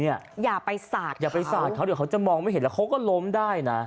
อย่าไปสาดอย่าไปสาดเขาเดี๋ยวเขาจะมองไม่เห็นแล้วเขาก็ล้มได้นะ